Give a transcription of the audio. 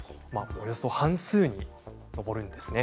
およそ半数に上るんですね。